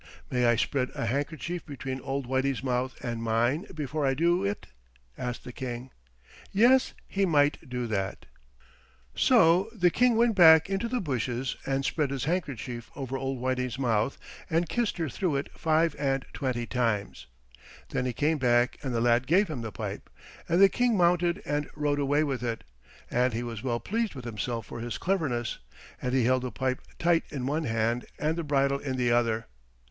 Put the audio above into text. "May I spread a handkerchief between old Whitey's mouth and mine before I do it?" asked the King. Yes, he might do that. So the King went back into the bushes and spread his handkerchief over old Whitey's mouth and kissed her through it five and twenty times. Then he came back and the lad gave him the pipe, and the King mounted and rode away with it, and he was well pleased with himself for his cleverness, and he held the pipe tight in one hand and the bridle in the other.